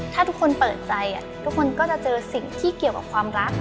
ถ้าทุกคนเปิดใจทุกคนก็จะเจอสิ่งที่เกี่ยวกับความรัก